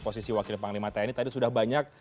posisi wakil panglima tni tadi sudah banyak